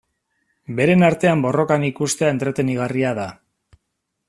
Beren artean borrokan ikustea entretenigarria da.